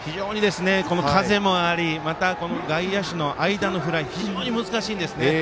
風もありまた、外野手の間のフライ非常に難しいんですね。